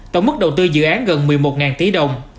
tổng mức đầu tư dự án gần một mươi một tỷ đồng